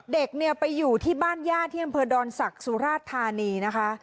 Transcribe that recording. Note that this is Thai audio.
เด็กเนี่ยไปอยู่ที่บ้านญาติที่อำเภอดอนศักดิ์สุราชธานีนะคะ